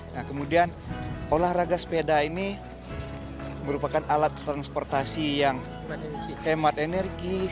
nah kemudian olahraga sepeda ini merupakan alat transportasi yang hemat energi